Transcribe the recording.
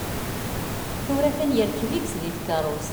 Tura a-t-an yerkeb d yid-s deg tkerrust.